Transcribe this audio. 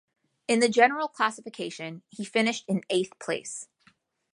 In the general classification, he finished in eighth place.